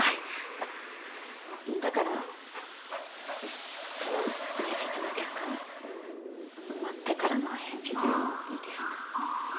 あっだからその面接の結果待ってからの返事でもいいですか？